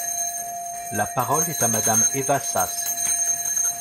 La parole est à Madame Eva Sas.